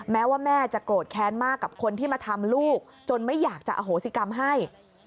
แม้ว่าแม่จะโกรธแค้นมากกับคนที่มาทำลูกจนไม่อยากจะอโหสิกรรมให้